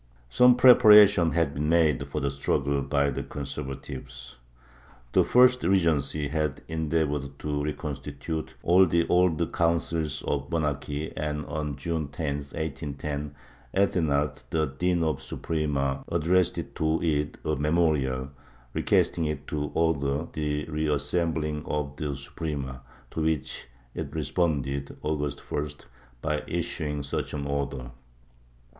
Some preparation had been made for the struggle by the con sei vatives. The first Regency had endeavored to reconstitute all the old Councils of the monarchy and, on June 10, 1810, Ethenard, the Dean of the Suprema, addressed to it a memorial requesting it to order the reassembling of the Suprema, to which it responded, August 1st, by issuing such an order.